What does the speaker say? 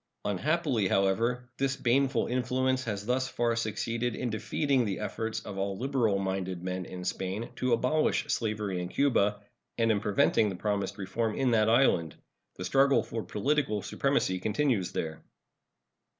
Unhappily, however, this baneful influence has thus far succeeded in defeating the efforts of all liberal minded men in Spain to abolish slavery in Cuba, and in preventing the promised reform in that island. The struggle for political supremacy continues there.